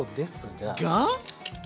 が？